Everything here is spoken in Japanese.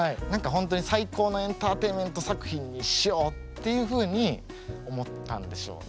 ほんとに最高のエンターテインメント作品にしようっていうふうに思ったんでしょうね。